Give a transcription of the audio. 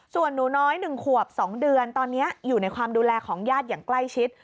ส่วนหนูน้อย๑ขวบ๒เดือนตอนนี้อยู่ในความดูแลของญาติอย่างใกล้ชิด